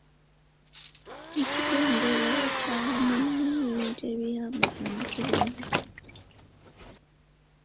Mu kigendererwa ekyawamu mulimu ebintu ebiyamba abantu bonna.